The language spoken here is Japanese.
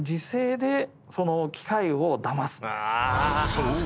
［そう。